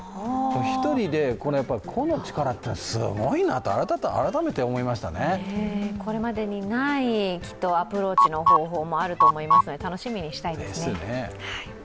一人で個の力っていうのはすごいなと、これまでにないアプローチの方法もあると思いますので、楽しみにしたいですね。